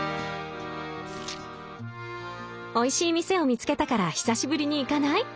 「おいしい店を見つけたから久しぶりに行かない？